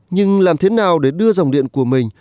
nhưng làm thế nào để đưa dòng điện của mình